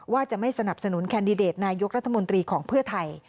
ว่าจะไม่สนับสนุนแคนดิเดตนายกรัฐมนตรีของเพื่อไทย